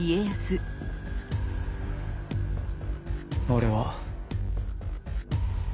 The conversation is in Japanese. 俺は。